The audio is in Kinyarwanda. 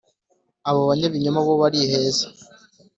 abo banyabinyoma bo bariheza.